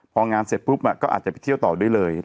พองานเสร็จปุ๊บก็อาจจะไปเที่ยวต่อด้วยเลย